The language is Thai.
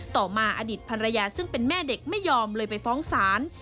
ต่อมาอดีตภรรยาซึ่งเป็นแม่เด็กไม่ยอมเลยไปฟ้องศาล